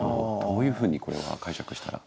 どういうふうにこれは解釈したら？